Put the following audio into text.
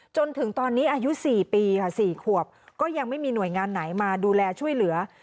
จนถึงตอนนี้อายุ๔ปีค่ะ๔ขวบก็ยังไม่มีหน่วยงานไหนมาดูแลช่วยเหลือ